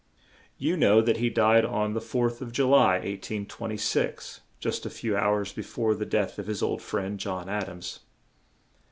You know that he died on the 4th of Ju ly, 1826, just a few hours be fore the death of his old friend, John Ad ams.